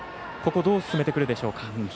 ここどう進めてくるでしょうか。